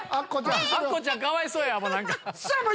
アッコちゃんかわいそう。